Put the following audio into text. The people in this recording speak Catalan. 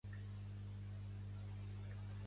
Entre ells, Sin Chaeho.